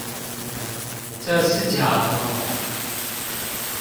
這是假的喔